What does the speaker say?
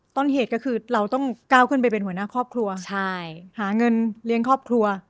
ต้นเหตุก็คือเราต้องก้าวขึ้นไปเป็นหัวหน้าครอบครัวหาเงินเลี้ยงครอบครัว